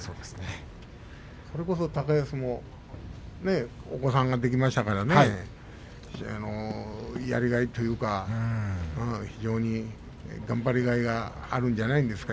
それこそ高安もお子さんができましたからねやりがいというか、頑張りがいがあるんじゃないですか。